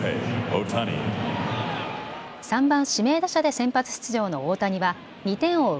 ３番・指名打者で先発出場の大谷は２点を追う